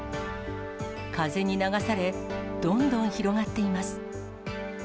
風に流され、どんどん広がっています。